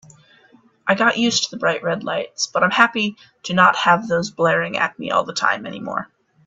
I got used to the bright red lights, but I'm happy to not have those blaring at me all the time anymore.